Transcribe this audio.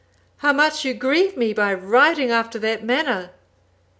how much you grieve me by riding after that manner.